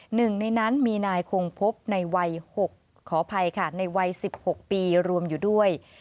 หนึ่งในนั้นมีนายคงพบในวัย๑๖ปีรวมอยู่ด้วย